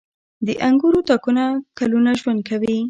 • د انګورو تاکونه کلونه ژوند کوي.